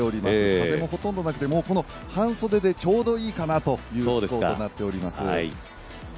風もほとんどなくて半袖でちょうどいいかなという気候となっています。